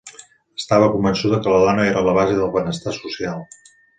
Estava convençuda que la dona era la base del benestar social.